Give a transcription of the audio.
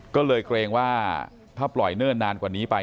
ก็เลยเกรงว่าถ้าปล่อยเนิ่นนานกว่านี้ไป